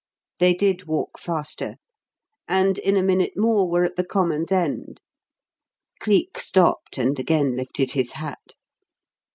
They did walk faster, and in a minute more were at the common's end. Cleek stopped and again lifted his hat.